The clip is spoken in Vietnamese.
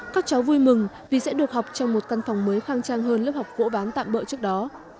các cháu vui mừng vì sẽ được học trong một căn phòng mới khang trang hơn lớp học vỗ bán tạm bỡ trước đó